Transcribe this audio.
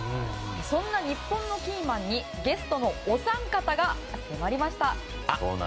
そんな日本のキーマンにゲストのお三方が迫りました。